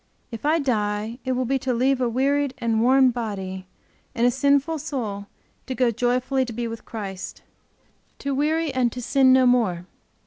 If I die it will be to leave a wearied and worn body, and a sinful soul to go joyfully to be with Christ, to weary and to sin no more.